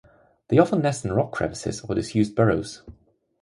They often nest in rock crevices or disused burrows.